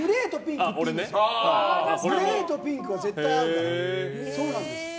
グレーとピンクは絶対合うから。